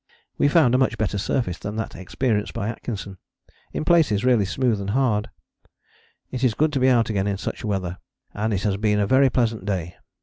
We found a much better surface than that experienced by Atkinson; in places really smooth and hard. "It is good to be out again in such weather, and it has been a very pleasant day."